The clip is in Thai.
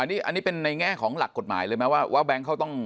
อันนี้เป็นในแง่ของหลักกฎหมายเลยไหมว่าแบงค์เขาต้อง